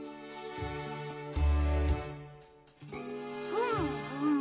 ふむふむ。